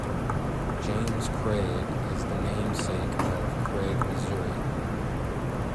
James Craig is the namesake of Craig, Missouri.